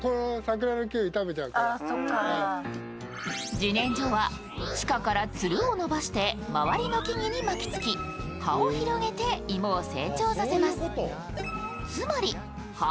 自然薯は地下からつるを伸ばして周りの木々に巻きつけ、葉を広げて芋を生長させます。